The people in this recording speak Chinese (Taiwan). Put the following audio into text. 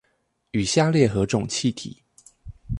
與下列何種氣體